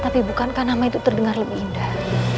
tapi bukankah nama itu terdengar lebih indah